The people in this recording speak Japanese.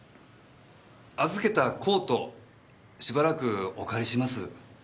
預けたコートしばらくお借りします。